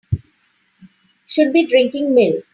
Should be drinking milk.